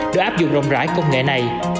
đã áp dụng rộng rãi công nghệ này